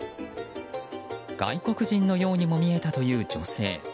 外国人のようにも見えたという女性。